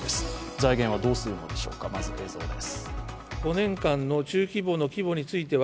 財源はどうするのでしょうか、まず映像です。